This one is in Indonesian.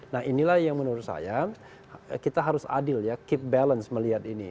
nah inilah yang menurut saya kita harus adil ya keep balance melihat ini